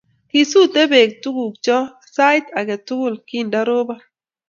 Kisute pek tukuk chok sait ake tukul kindarobon